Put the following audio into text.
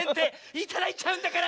いただいちゃうんだから！